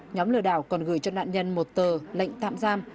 nhóm lừa đảo còn gửi cho nạn nhân một tờ lệnh tạm giam